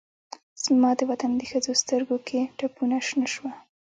زما دوطن د ښځوسترګوکې ټپونه شنه شوه